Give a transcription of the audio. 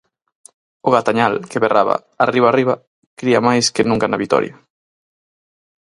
O Gatañal, que berraba "Arriba, arriba", cría máis que nunca na vitoria.